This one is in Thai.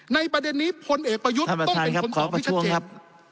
ท่านประธานครับขอประชวงครับ